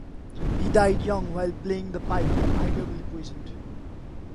He died young while playing the pipe, arguably poisoned.